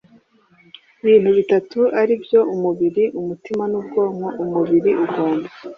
bintu bitatu ari byo: umubiri, umutima n’ubwonko. Umubiri ugomba